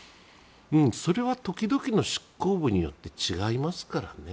それは時々の執行部によって違いますからね。